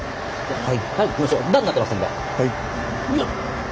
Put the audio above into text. はい。